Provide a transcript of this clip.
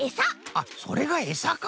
あっそれがエサか。